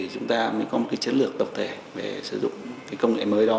chúng ta mới có một chiến lược tập thể để sử dụng công nghệ mới đó